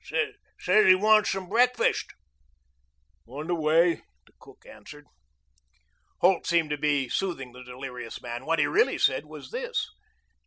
"Says he wants some breakfast." "On the way," the cook answered. Holt seemed to be soothing the delirious man. What he really said was this.